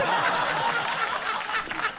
ハハハハ！